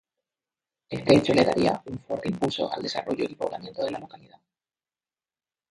Este hecho le daría un fuerte impulso al desarrollo y poblamiento de la localidad.